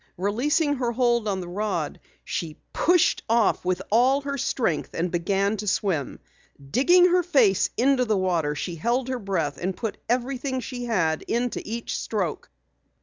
Releasing her hold on the rod, she pushed off with all her strength and began to swim. Digging her face into the water, she held her breath and put everything she had into each stroke.